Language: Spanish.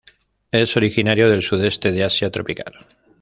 Es originario del sudeste de Asia tropical.